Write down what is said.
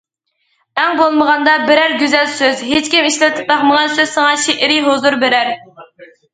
ئەڭ بولمىغاندا بىرەر گۈزەل سۆز، ھېچكىم ئىشلىتىپ باقمىغان سۆز ساڭا شېئىرىي ھۇزۇر بېرەر.